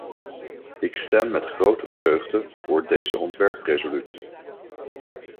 Ik stem met grote vreugde voor deze ontwerpresolutie.